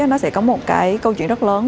nó sẽ có một câu chuyện rất lớn